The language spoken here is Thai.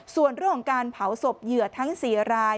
ส่วนเรื่องของการเผาศพเหยื่อทั้ง๔ราย